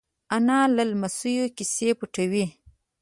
انا له لمسيو کیسې پټوي